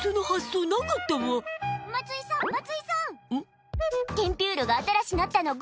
テンピュールが新しなったのご存じですか？